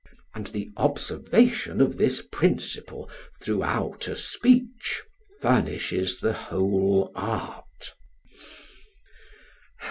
And the observance of this principle throughout a speech furnishes the whole art.